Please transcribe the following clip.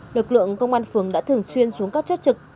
lực lượng công an phường đã thường xuyên xuống các chốt trực